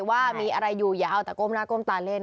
ว่ามีอะไรอยู่อย่าเอาแต่ก้มหน้าก้มตาเล่น